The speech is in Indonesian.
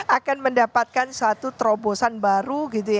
akan mendapatkan suatu terobosan baru